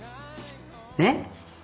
ねっ。